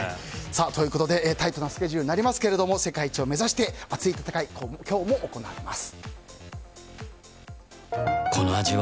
タイトなスケジュールになりますが世界一を目指して熱い戦いが今日も行われます。